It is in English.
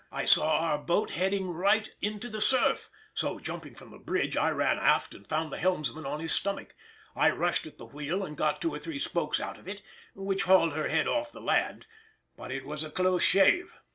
I saw our boat heading right into the surf, so, jumping from the bridge, I ran aft and found the helmsman on his stomach. I rushed at the wheel and got two or three spokes out of it, which hauled her head off the land, but it was a close shave.